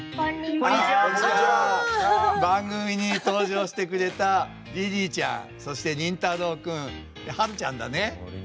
番組に登場してくれたりりぃちゃんそしてりんたろうくんはるちゃんだね。